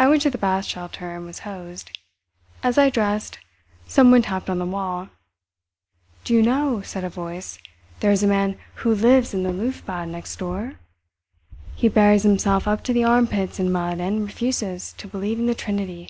I went to the bath shelter and was hosed. As I dressed, someone tapped on the wall. "Do you know," said a voice, "there is a man who lives in the Luft Bad next door? He buries himself up to the armpits in mud and refuses to believe in the Trinity."